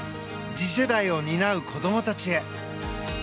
次世代を担う子供たちへ。